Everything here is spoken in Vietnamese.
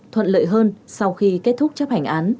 thuận lợi hơn sau khi kết thúc chấp hành án